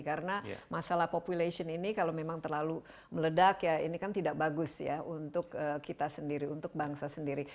karena masalah population ini kalau memang terlalu meledak ya ini kan tidak bagus ya untuk kita sendiri untuk bangsa sendiri